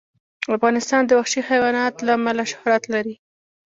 افغانستان د وحشي حیوانات له امله شهرت لري.